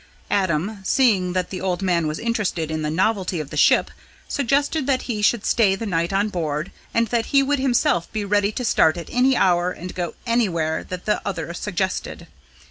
Adam, seeing that the old man was interested in the novelty of the ship, suggested that he should stay the night on board, and that he would himself be ready to start at any hour and go anywhere that the other suggested.